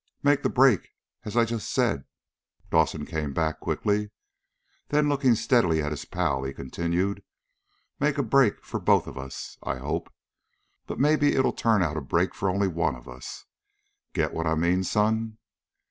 "Make the break, as I just said," Dawson came back quickly. Then, looking steadily at his pal, he continued, "Make a break for both of us, I hope. But maybe it'll turn out a break for only one of us. Get what I mean, son?"